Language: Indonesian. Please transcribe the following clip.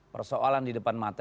persoalan di depan mata